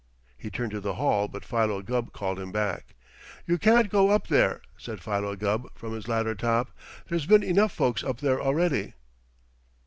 He turned to the hall, but Philo Gubb called him back. "You can't go up there," said Philo Gubb, from his ladder top. "There's been enough folks up there already."